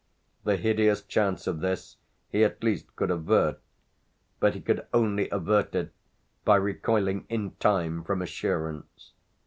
The hideous chance of this he at least could avert; but he could only avert it by recoiling in time from assurance.